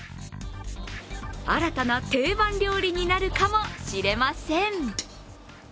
新たな定番料理になるかもしれません。